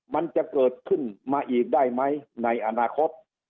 มันจะเกิดขึ้นมาอีกได้ไหมในอนาคต